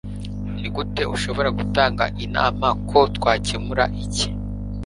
Nigute ushobora gutanga inama ko twakemura iki